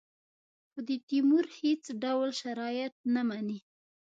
خو د تیمور هېڅ ډول شرایط نه مني.